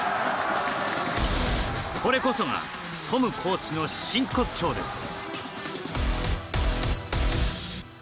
これこそがトムコーチの真骨頂です。